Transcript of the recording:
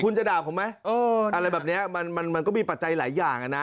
คุณจะด่าผมไหมอะไรแบบนี้มันมันก็มีปัจจัยหลายอย่างอ่ะนะ